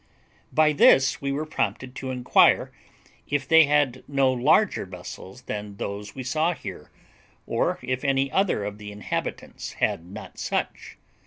By this we were prompted to inquire if they had no larger vessels than those we saw there, or if any other of the inhabitants had not such.